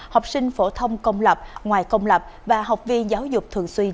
học sinh phổ thông công lập ngoài công lập và học viên giáo dục thường xuyên